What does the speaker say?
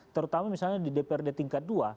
terutama misalnya di dprd tingkat dua